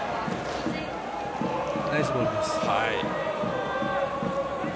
ナイスボールです。